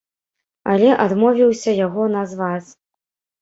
Але адмовіўся яго назваць.